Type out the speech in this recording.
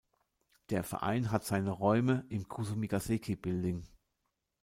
Der Verein hat seine Räume im Kasumigaseki-Building.